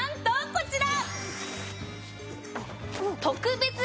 こちら！